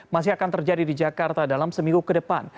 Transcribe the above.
masih akan terjadi di jakarta dalam seminggu ke depan